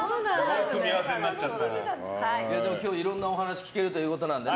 今日いろんな話聞けるということなので。